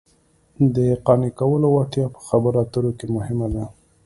د قانع کولو وړتیا په خبرو اترو کې مهمه ده